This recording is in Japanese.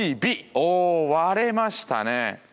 おお割れましたね。